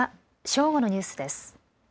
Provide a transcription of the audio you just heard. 正午のニュースです。